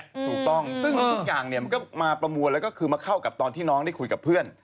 ถูกต้องซึ่งทุกอย่างเนี่ยมันก็มาประมวลแล้วก็คือมาเข้ากับตอนที่น้องได้คุยกับเพื่อน